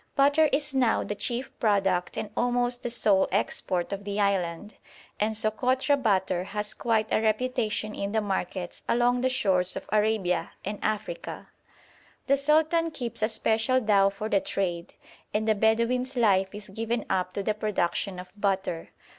Butter is now the chief product and almost the sole export of the island, and Sokotra butter has quite a reputation in the markets along the shores of Arabia and Africa. The sultan keeps a special dhow for the trade, and the Bedouin's life is given up to the production of butter.